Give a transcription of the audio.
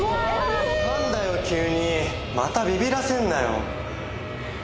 何だよ急にまたビビらせんなよ